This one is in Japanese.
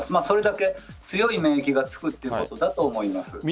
それだけ強い免疫がつくということだと思います。